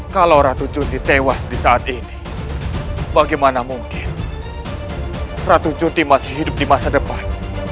kalau ratu cuti tewas di saat ini bagaimana mungkin ratu cuti masih hidup di masa depan